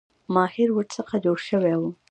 ماهر ورڅخه جوړ شوی وو.